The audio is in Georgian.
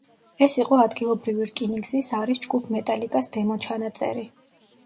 ეს იყო ადგილობრივი რკინიგზის არის ჯგუფ მეტალიკას დემო ჩანაწერი.